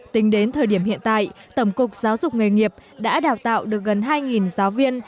tính đến thời điểm hiện tại tổng cục giáo dục nghề nghiệp đã đào tạo được gần hai giáo viên